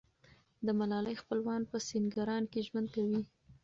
د ملالۍ خپلوان په سینګران کې ژوند کوي.